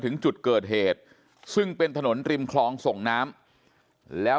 ถึงจุดเกิดเหตุซึ่งเป็นถนนริมคลองส่งน้ำแล้ว